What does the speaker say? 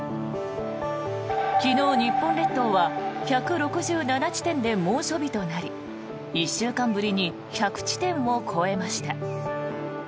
昨日、日本列島は１６７地点で猛暑日となり１週間ぶりに１００地点を超えました。